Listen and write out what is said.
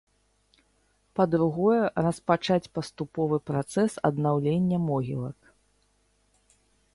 Па-другое, распачаць паступовы працэс аднаўлення могілак.